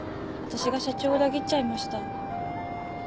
私が社長を裏切っちゃいました。